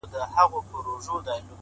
ور سره ښکلی موټر وو نازولی وو د پلار,